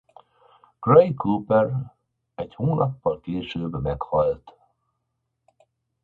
Gary Cooper egy hónappal később meghalt.